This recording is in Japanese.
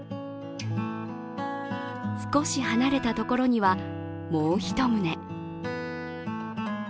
少し離れたところにはもう一棟。